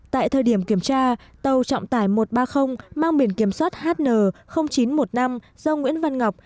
tại thời điểm kiểm tra tàu trọng tải một trăm ba mươi mang biển kiểm soát hn chín trăm một mươi năm do nguyễn văn ngọc